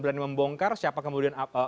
berani membongkar siapa kemudian